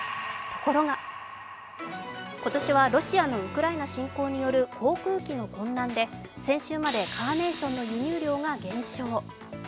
ところが今年はロシアのウクライナ侵攻による航空機の混乱で先週までカーネーションの輸入量が減少。